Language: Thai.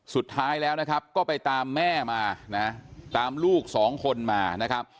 สุดท้ายแล้วนะครับก็ไปตามแม่มานะตามลูกสองคนมานะครับ